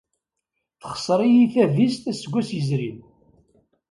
Texṣer-iyi tadist aseggas yezrin.